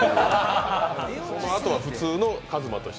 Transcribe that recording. そのあとは普通のＫＡＺＭＡとして？